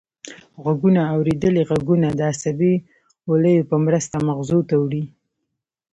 غوږونه اوریدلي غږونه د عصبي ولیو په مرسته مغزو ته وړي